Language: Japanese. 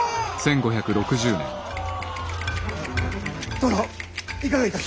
殿いかがいたす。